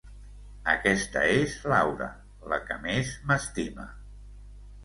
Aquesta és Laura, la que més m’estima.